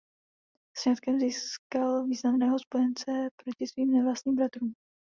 Sňatkem získal významného spojence proti svým nevlastním bratrům.